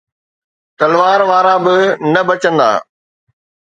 تلوار وارا به نه بچندا.